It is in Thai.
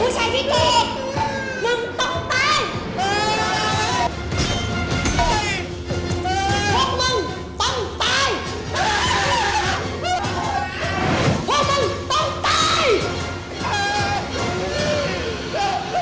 พวกมึงต้องตาย